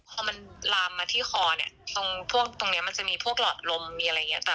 พอมันลามมาที่คอเนี่ยตรงพวกตรงเนี้ยมันจะมีพวกหลอดลมมีอะไรอย่างนี้